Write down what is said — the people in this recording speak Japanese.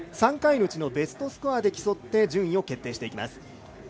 ３回のうちのベストスコアで競い順位を決めていきます。